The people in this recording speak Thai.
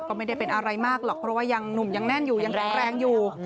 ก็ไม่ได้เป็นอะไรมากหรอกเพราะว่ายังหนุ่มยังแน่นอยู่ยังแข็งแรงอยู่